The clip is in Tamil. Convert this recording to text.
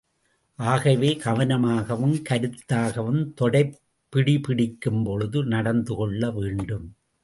ஆகவே, கவனமாகவும், கருத்தாகவும் தொடைப் பிடி பிடிக்கும்பொழுது நடந்து கொள்ள வேண்டும்.